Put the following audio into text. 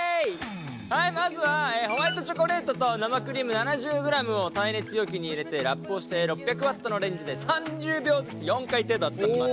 はいまずはホワイトチョコレートと生クリーム７０ｇを耐熱容器に入れてラップをして６００Ｗのレンジで３０秒ずつ４回程度温めます。